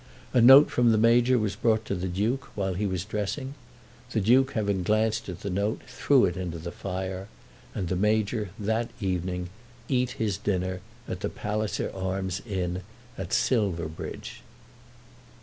A note from the Major was brought to the Duke while he was dressing. The Duke having glanced at the note threw it into the fire; and the Major that evening eat his dinner at the Palliser Arms Inn at Silverbridge.